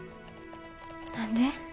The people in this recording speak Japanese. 何で？